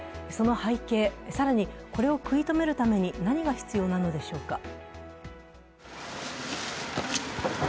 その背景、更にこれを食い止めるために何が必要なのでしょうか。